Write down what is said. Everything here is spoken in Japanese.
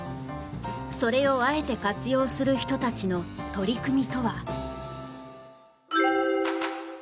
それをあえて活用する人たちの取り組みとは。